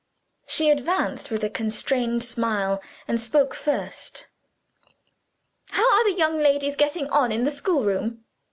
She advanced with a constrained smile, and spoke first. "How are the young ladies getting on in the schoolroom?"